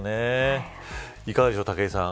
いかがでしょう、武井さん。